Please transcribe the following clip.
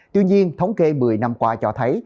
tuy nhiên thống kê một mươi năm qua cho thấy